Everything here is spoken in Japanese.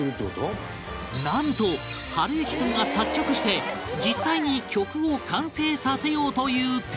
なんと暖之君が作曲して実際に曲を完成させようという展開に